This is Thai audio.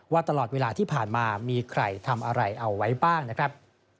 ตลอดเวลาที่ผ่านมามีใครทำอะไรเอาไว้บ้างนะครับ